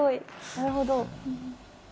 なるほど。